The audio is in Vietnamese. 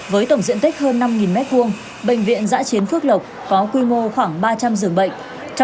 với tổng diện tích hơn năm m hai bệnh viện giã chiến phước lộc có quy mô khoảng ba trăm linh giường bệnh